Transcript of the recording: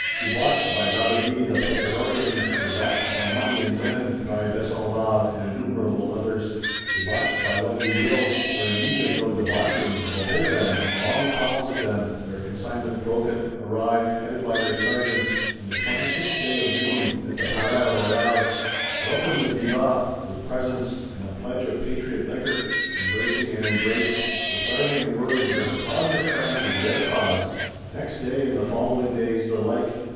Debauched by Valadi the Pythagorean; debauched by money and women! cry Besenval and innumerable others. Debauched by what you will, or in need of no debauching, behold them, long files of them, their consignment broken, arrive, headed by their Sergeants, on the 26th day of June, at the Palais Royal! Welcomed with vivats, with presents, and a pledge of patriot liquor; embracing and embraced; declaring in words that the cause of France is their cause! Next day and the following days the like.